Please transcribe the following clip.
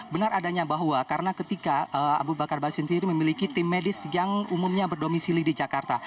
benar adanya bahwa karena ketika abu bakar basir sendiri memiliki tim medis yang umumnya berdomisili di jakarta